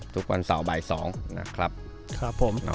ทุกวันเสาร์บ่าย๒